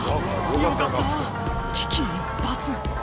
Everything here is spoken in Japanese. よかった危機一髪